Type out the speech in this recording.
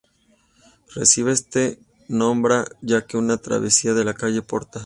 Recibe este nombra ya que es una travesía de la calle Porta.